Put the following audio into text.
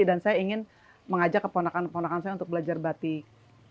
dan saya ingin mengajak keponakan keponakan saya untuk belajar batik